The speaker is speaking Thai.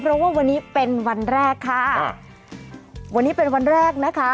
เพราะว่าวันนี้เป็นวันแรกค่ะวันนี้เป็นวันแรกนะคะ